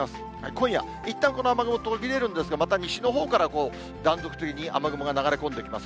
今夜、いったんこの雨雲、途切れるんですが、また西のほうから断続的に雨雲が流れ込んできます。